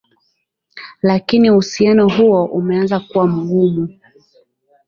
lakini uhusiano huo umeanza kuwa mgumu